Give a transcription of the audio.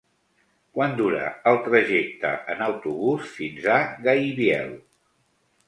Quant dura el trajecte en autobús fins a Gaibiel?